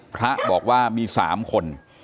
พระบอกว่ามี๓คน